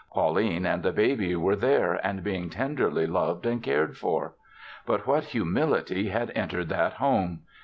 Pauline and the baby were there and being tenderly loved and cared for. But what humility had entered that home!